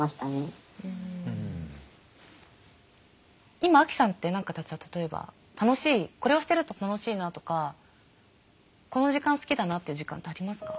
今アキさんって何かじゃあ例えば楽しいこれをしてると楽しいなとかこの時間好きだなっていう時間ってありますか？